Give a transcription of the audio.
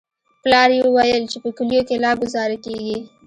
پلار يې ويل چې په کليو کښې لا گوزاره کېږي.